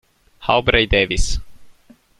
Aubrey Davis